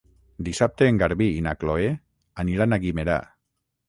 Dimarts en Garbí i na Chloé aniran a Guimerà.